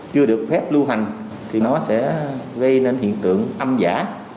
chưa được phép lưu hành thì nó sẽ gây nên hiện tượng âm giả